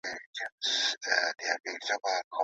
کله به د ټولو افغان ماشومانو لپاره ښوونځي جوړ سي؟